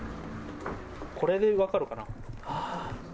これで分かるかな。